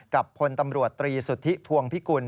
พลตำรวจตรีสุทธิพวงพิกุล